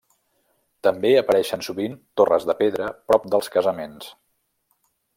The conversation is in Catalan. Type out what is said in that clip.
També apareixen sovint torres de pedra prop dels casaments.